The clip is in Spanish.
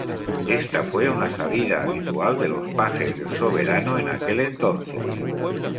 Ésta fue una salida habitual de los pajes del soberano en aquel entonces.